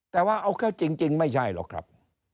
แต่ว่าเอาเข้าจริงไม่ใช่หรอกครับ